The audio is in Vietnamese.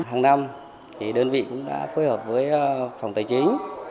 hàng năm đơn vị cũng đã phối hợp với phòng tài chính